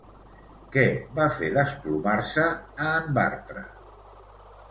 Què va fer desplomar-se a en Bartra?